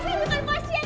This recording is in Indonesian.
saya bukan pasien